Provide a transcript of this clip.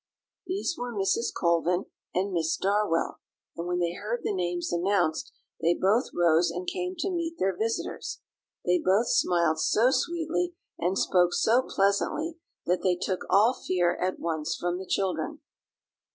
These were Mrs. Colvin and Miss Darwell; and when they heard the names announced, they both rose and came to meet their visitors. They both smiled so sweetly, and spoke so pleasantly, that they took all fear at once from the children.